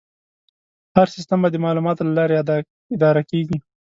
هر سیستم به د معلوماتو له لارې اداره کېږي.